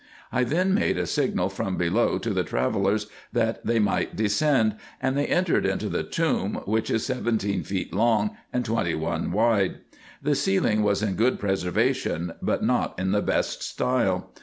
I then made a signal from below to the travellers, that they might descend, and they entered into the tomb, which is seventeen feet long, and twenty one wide. The ceiling was in good preservation, but not in the best style.